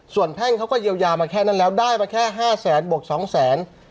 ส่วนแพ่งเขาก็เยียวยามาแค่นั้นแล้วได้มาแค่๕แสนบวก๒แสน